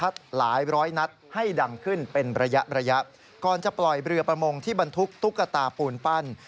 เศรือประมงที่บรรทุกตุ๊กตาปูนปั้น